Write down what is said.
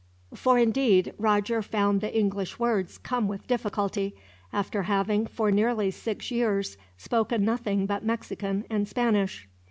For indeed, Roger found the English words come with difficulty; after having, for nearly six years, spoken nothing but Mexican and Spanish.